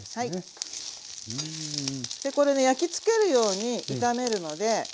これね焼きつけるように炒めるので。